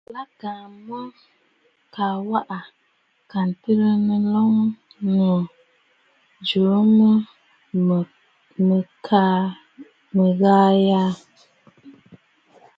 Lâ kaa mə̀ ka waꞌà kà ǹtərə nloŋ ɨnnù jû mə mə̀ yə aà.